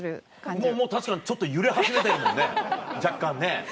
もう確かにちょっと揺れ始めてるもんね若干ね。